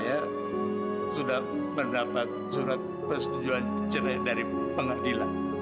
saya sudah mendapat surat persetujuan cerai dari pengadilan